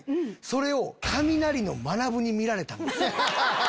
それをカミナリのまなぶに見られたんです。